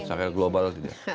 secara global tidak